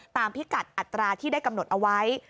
พิกัดอัตราที่ได้กำหนดเอาไว้